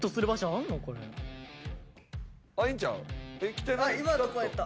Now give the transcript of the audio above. あっ今のとこやった。